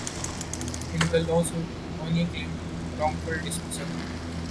In the lawsuit, Onoo claimed wrongful dismissal.